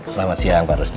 selamat siang pak rusdi